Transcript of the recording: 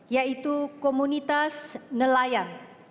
yaitu komunitas nelayan